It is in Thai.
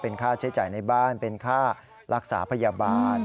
ค่าใช้จ่ายในบ้านเป็นค่ารักษาพยาบาล